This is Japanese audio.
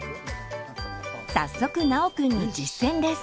早速尚くんに実践です。